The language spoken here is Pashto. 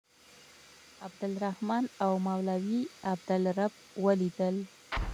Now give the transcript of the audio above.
عبدالرحمن او مولوي عبدالرب ولیدل.